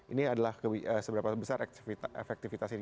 ini adalah seberapa besar efektivitas ini